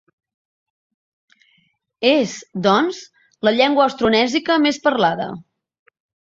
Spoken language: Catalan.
És, doncs, la llengua austronèsica més parlada.